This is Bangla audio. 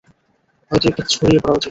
হয়তো একটু ছড়িয়ে পড়া উচিত।